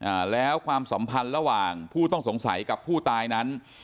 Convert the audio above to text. อ่าแล้วความสัมพันธ์ระหว่างผู้ต้องสงสัยกับผู้ตายนั้น